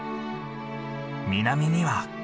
南には。